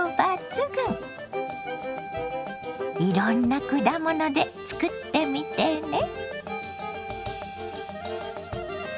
いろんな果物で作ってみてね。